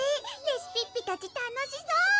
レシピッピたち楽しそう！